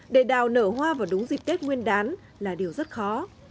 để đào nở hoa vào đúng dịp tết nguyên đán là điều rất khó